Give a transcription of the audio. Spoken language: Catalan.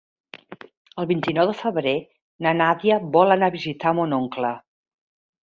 El vint-i-nou de febrer na Nàdia vol anar a visitar mon oncle.